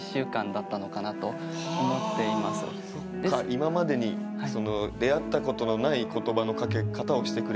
今までに出会ったことのない言葉のかけ方をしてくれたんだ？